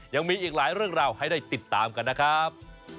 ยังมีอีกหลายเรื่องราวให้ได้ติดตามกันนะครับ